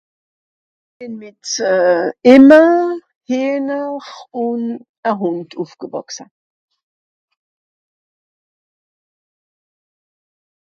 Bìn mìt euh... Ìmme, Hìener ùn e Hùnd ùfgewàchse.